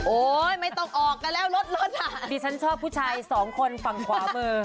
ไม่ต้องออกกันแล้วรถรถอ่ะดิฉันชอบผู้ชายสองคนฝั่งขวามือ